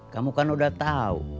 kamu kan udah tau